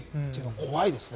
怖いですね。